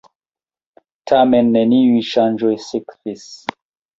Tamen neniuj ŝanĝoj sekvis.